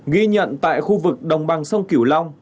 ghi nhận tại khu vực đồng bằng sông kiểu long